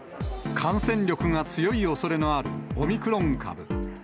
感染力が強いおそれのあるオミクロン株。